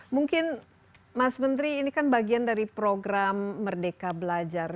mungkin mas menteri ini kan bagian dari program merdeka belajar